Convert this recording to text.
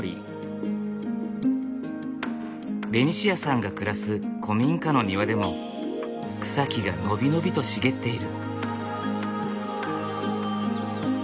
ベニシアさんが暮らす古民家の庭でも草木が伸び伸びと茂っている。